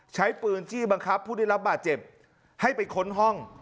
ใช้ปืนจี้บังคับผู้ได้รับบาดเจ็บให้ไปค้นห้อง